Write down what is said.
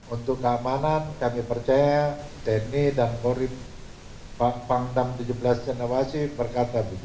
untuk keamanan kami percaya tni dan korim pangdam tujuh belas cendrawasih berkata begitu